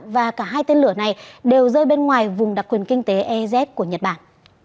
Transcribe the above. và cả hai tên lửa này đều rơi bên ngoài vùng đặc quyền kinh tế ez của nhật bản